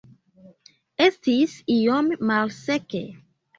Estis iom malseke.